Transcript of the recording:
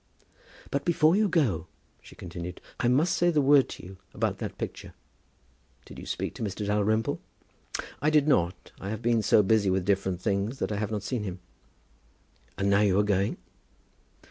"But before you go," she continued, "I must say the word to you about that picture. Did you speak to Mr. Dalrymple?" "I did not. I have been so busy with different things that I have not seen him." "And now you are going?"